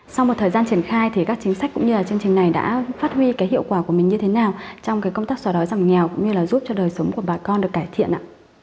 sau một thời gian triển khai thì các chính sách cũng như là chương trình này đã phát huy cái hiệu quả của mình như thế nào trong cái công tác xóa đói giảm nghèo cũng như là giúp cho đời sống của bà con được cải thiện ạ